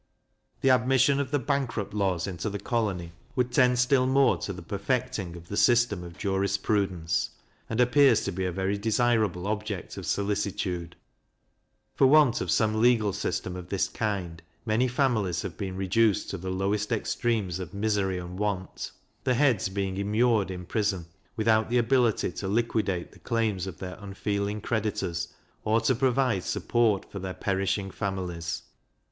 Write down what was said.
The admission of the bankrupt laws into the colony would tend still more to the perfecting of the system of jurisprudence, and appears to be a very desirable object of solicitude. For want of some legal system of this kind, many families have been reduced to the lowest extremes of misery and want, the heads being immured in prison, without the ability to liquidate the claims of their unfeeling creditors, or to provide support for their perishing families.